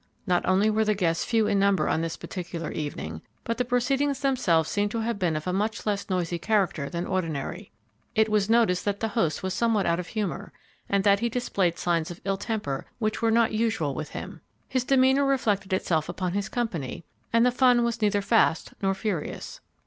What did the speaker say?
Not only were the guests few in number on this particular evening, but the proceedings themselves seem to have been of a much less noisy character than ordinary. It was noticed that the host was somewhat out of humor, and that he displayed signs of ill temper which were not usual with him. His demeanor reflected itself upon his company, and the fun was neither fast nor furious.